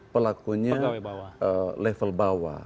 pelakunya level bawah